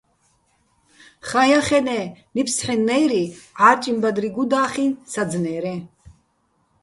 ხაჼ ჲახენე́, ნიფს ცჰ̦ენნე́ჲრი, ჺარჭიჼ ბადრი გუდა́ჴიჼ საძნერეჼ.